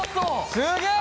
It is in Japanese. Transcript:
すげえ！